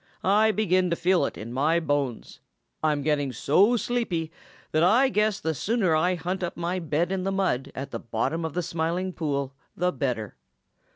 I begin to feel it in my bones. I'm getting so sleepy that I guess the sooner I hunt up my bed in the mud at the bottom of the Smiling Pool the better.